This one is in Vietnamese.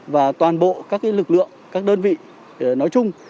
và toàn bộ các lực lượng các đơn vị nói chung